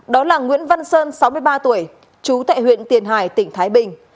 đó là nguyễn văn sơn sáu mươi ba tuổi chú tại huyện tiền hải tỉnh thái bình